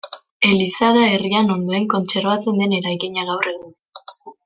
Eliza da herrian ondoen kontserbatzen den eraikina gaur egun.